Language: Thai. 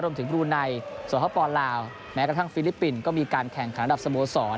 รวมถึงบรูไนสวทธิ์ภพลาวแม้กระทั่งฟิลิปปินต์ก็มีการแข่งขันระดับสโมสร